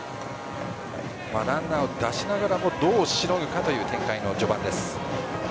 ランナーを出しながらもどうしのぐかという展開の序盤です